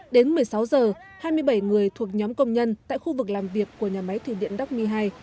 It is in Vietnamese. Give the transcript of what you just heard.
đến một mươi sáu giờ hai mươi bảy người thuộc nhóm công nhân tại khu vực làm việc của nhà máy thủy điện đắc my hai